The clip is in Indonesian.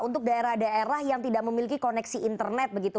untuk daerah daerah yang tidak memiliki koneksi internet begitu